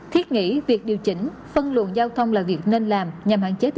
thiết nghĩ việc điều chỉnh phân luận giao thông là việc nên